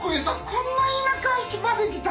こんな田舎まで来た！